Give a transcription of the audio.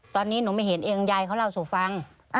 ตอนนี้หนูไม่เห็นเองยายเขาเล่าสู่ฟัง